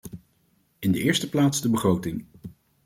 In de eerste plaats de begroting.